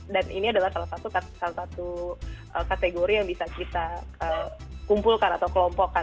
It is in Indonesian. dan ini adalah salah satu kategori yang bisa kita kumpulkan atau kelompokkan